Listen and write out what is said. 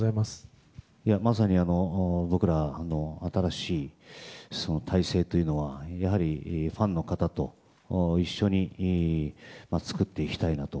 まさに新しい体制というのはやはり、ファンの方と一緒に作っていきたいなと